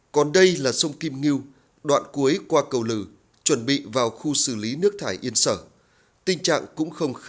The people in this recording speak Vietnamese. còn đây là sông kim ngưu đoạn cuối qua cầu lừ